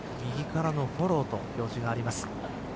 右からのフォローと表示があります。